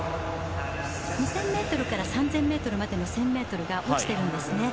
２０００ｍから３０００ｍまでの１０００ｍが落ちてるんですね。